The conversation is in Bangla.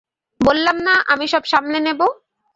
বললাম না, আমি সব সামলে নেবো।